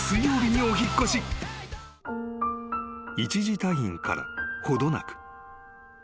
［一時退院から程なく］